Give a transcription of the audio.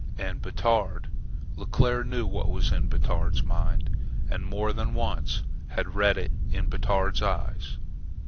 And Batard Leclere knew what was in Batard's mind, and more than once had read it in Batard's eyes.